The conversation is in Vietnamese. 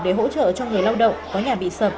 để hỗ trợ cho người lao động có nhà bị sập